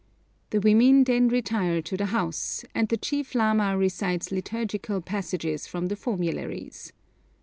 The women then retire to the house, and the chief lama recites liturgical passages from the formularies.